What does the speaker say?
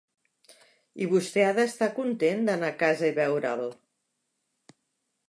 I vostè ha d'estar content d'anar a casa, i veure'l.